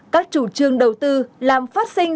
các chủ trương đầu tư làm phát sinh